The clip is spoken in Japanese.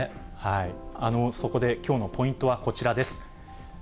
そこできょうのポイントはこちらです。